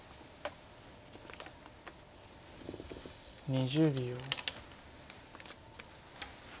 ２０秒。